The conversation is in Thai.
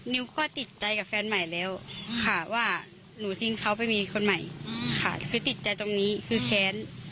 นิวก็ติดใจกับแฟนใหม่แล้วค่ะว่าหนูทิ้งเขาไปมีคนใหม่ค่ะคือติดใจตรงนี้คือแค้น